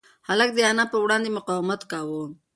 هلک د انا په وړاندې مقاومت کاوه.